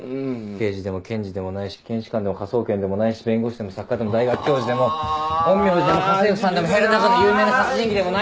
刑事でも検事でもないし検視官でも科捜研でもないし弁護士でも作家でも大学教授でも陰陽師でも家政婦さんでも塀の中の有名な殺人鬼でもないんです。